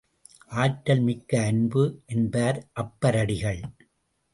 ஆற்றல் மிக்க அன்பு என்பார் அப்பரடிகள்.